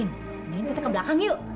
ada yang nanti kita ke belakang yuk